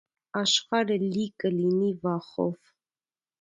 Աշխարհը լի կլինի վախով։